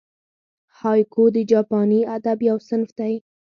هایکو د جاپاني ادب یو صنف دئ.